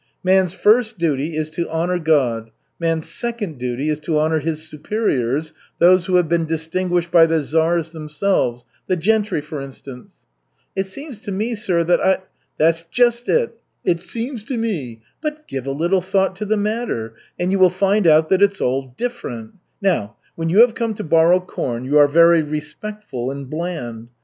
"Man's first duty is to honor God, man's second duty is to honor his superiors, those who have been distinguished by the czars themselves the gentry, for instance." "It seems to me, sir, that I " "That's just it, 'it seems to me.' But give a little thought to the matter, and you will find out that it's all different. Now when you have come to borrow corn you are very respectful and bland.